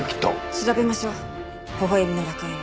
調べましょう微笑みの楽園を。